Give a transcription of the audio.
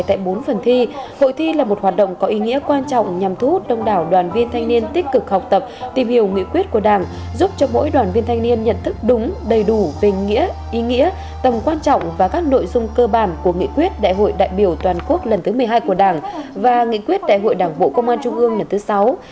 tại bốn phần thi hội thi là một hoạt động có ý nghĩa quan trọng nhằm thu hút đông đảo đoàn viên thanh niên tích cực học tập tìm hiểu nghị quyết của đảng giúp cho mỗi đoàn viên thanh niên nhận thức đúng đầy đủ về nghĩa ý nghĩa tầm quan trọng và các nội dung cơ bản của nghị quyết đại hội đại biểu toàn quốc lần thứ một mươi hai của đảng và nghị quyết đại hội đảng bộ công an trung ương lần thứ sáu